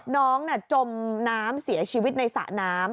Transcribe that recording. น้องจมน้ำเสียชีวิตในสระน้ำ